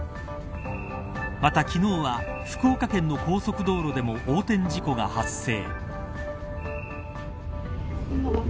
また、昨日は福岡県の高速道路でも横転事故が発生。